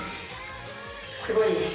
すごいです。